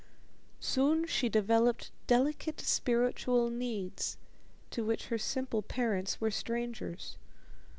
Soon she developed delicate spiritual needs to which her simple parents were strangers.